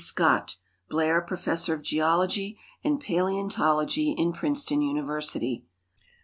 Scott, Blair Profe.s.sor of (leology and I'aheontolog'y in Princeton University.